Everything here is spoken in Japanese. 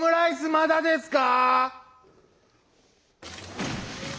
まだですか？